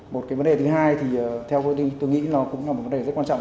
một cái vấn đề thứ hai thì theo tôi nghĩ nó cũng là một vấn đề rất quan trọng